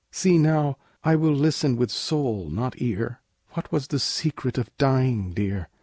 "See, now; I will listen with soul, not ear: What was the secret of dying, dear?